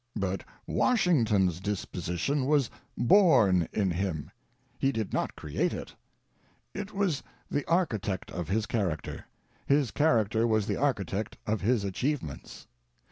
But Washington's disposition was born in him, he did not create It ; It was the architect of his character ; his charac ter was the architect of his achievements.